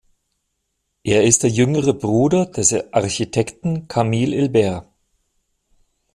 Er ist der jüngere Bruder des Architekten Kamil Hilbert.